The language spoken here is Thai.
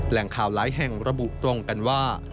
แหล่งข่าวหลายแห่งระบุตรงกันว่า